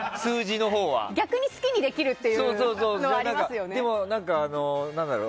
逆に、好きにできるというのはありますよね。